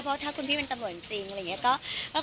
เพราะถ้าคุณพี่เป็นตำรวจจริงอะไรอย่างนี้